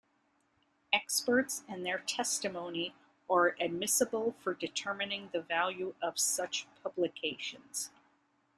Experts and their testimony are admissible for determining the value of such publications.